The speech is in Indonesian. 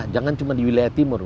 jangan cuma di wilayah timur